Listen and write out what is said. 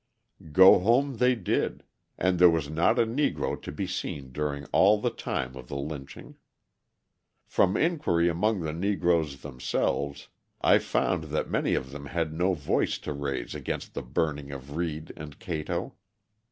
Go home they did, and there was not a Negro to be seen during all the time of the lynching. From inquiry among the Negroes themselves, I found that many of them had no voice to raise against the burning of Reed and Cato.